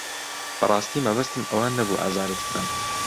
بەڕاستی مەبەستم ئەوە نەبوو ئازارت بدەم.